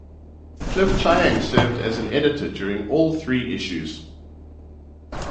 Cliff Chiang served as editor during all three issues.